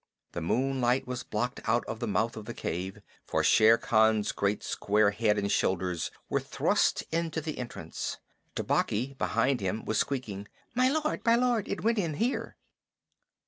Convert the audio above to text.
The moonlight was blocked out of the mouth of the cave, for Shere Khan's great square head and shoulders were thrust into the entrance. Tabaqui, behind him, was squeaking: "My lord, my lord, it went in here!"